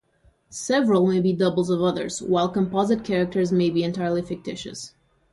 Several may be doubles of others, while composite characters may be entirely fictitious.